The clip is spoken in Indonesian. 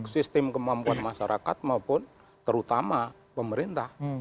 sistem kemampuan masyarakat maupun terutama pemerintah